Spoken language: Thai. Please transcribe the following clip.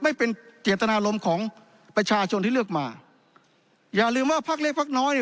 ไม่เป็นเจตนารมณ์ของประชาชนที่เลือกมาอย่าลืมว่าพักเล็กพักน้อยเนี่ย